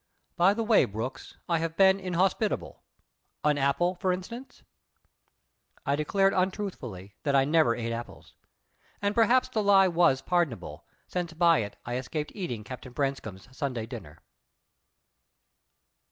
By the way, Brooks, I have been inhospitable. An apple, for instance?" I declared untruthfully that I never ate apples; and perhaps the lie was pardonable, since by it I escaped eating Captain Branscome's Sunday dinner.